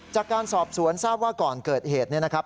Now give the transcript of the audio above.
จากการสอบสวนทราบว่าก่อนเกิดเหตุเนี่ยนะครับ